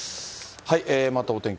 またお天気